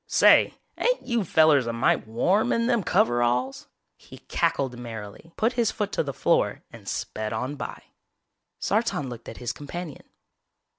"Say, ain't you fellers a mite warm in them coveralls?" He cackled merrily, put his foot to the floor and sped on by. Sartan looked at his companion.